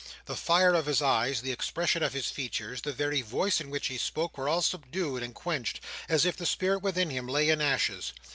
The fire of his eyes, the expression of his features, the very voice in which he spoke, were all subdued and quenched, as if the spirit within him lay in ashes.